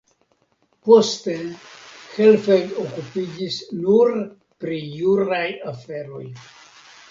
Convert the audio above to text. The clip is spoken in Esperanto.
Poste Hellfeld okupiĝis nur pri juraj aferoj.